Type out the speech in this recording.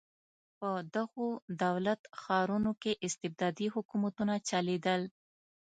په دغو دولت ښارونو کې استبدادي حکومتونه چلېدل.